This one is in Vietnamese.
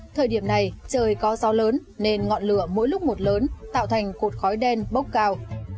thời điểm này trời có gió lớn nên ngọn lửa mỗi lúc một lớn tạo thành cột khói đen bốc cao